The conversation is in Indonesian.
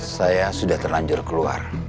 saya sudah terlanjur keluar